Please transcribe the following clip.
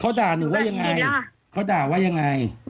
เขาด่าหนูว่ายังไงเขาด่าว่ายังไง